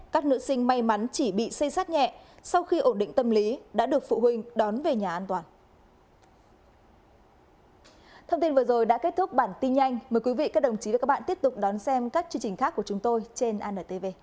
các nữ sinh may mắn chỉ bị xây sát nhẹ sau khi ổn định tâm lý đã được phụ huynh đón về nhà an toàn